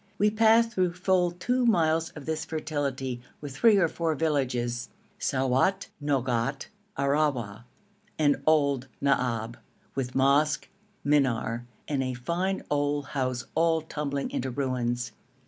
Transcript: We passed through full two miles of this fertility, with three or four villages Souat, Nogat, Arrawa, and Old Naab, with mosque, minar, and a fine old house all tumbling into ruins.